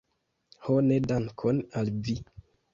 Ho ne dankon al vi!